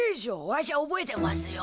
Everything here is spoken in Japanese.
わしゃ覚えてますよ。